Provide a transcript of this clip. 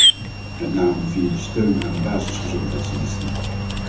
Met name via de steun aan de basisgezondheidsdiensten.